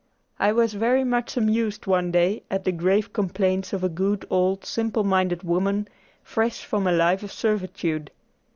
I was very much amused one day at the grave complaints of a good old, simple minded woman, fresh from a life of servitude.